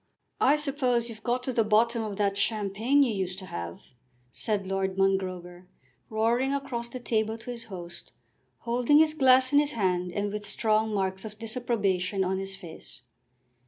"I suppose you've got to the bottom of that champagne you used to have," said Lord Mongrober, roaring across the table to his host, holding his glass in his hand, and with strong marks of disapprobation on his face.